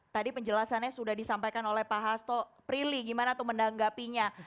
tadi penjelasannya sudah disampaikan oleh pak hasto prilly gimana tuh menanggapinya